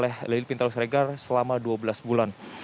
oleh lili pintau siregar selama dua belas bulan